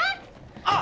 あっ！